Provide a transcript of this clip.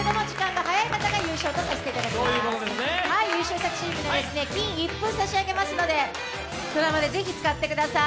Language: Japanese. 優勝したチームには金一封差し上げますので、ドラマでぜひ使ってください。